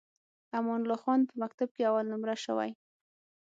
امان الله خان په مکتب کې اول نمره شوی.